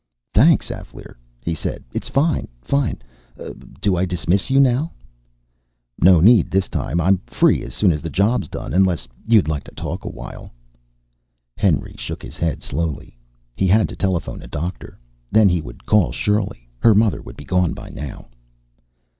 "Thanks, Alféar," he said. "It's fine fine. Do I dismiss you now?" "No need this time. I'm free as soon as the job's done. Unless you'd like to talk awhile...." Henry shook his head quickly. He had to telephone a doctor. Then he could call Shirley her mother would be gone by now.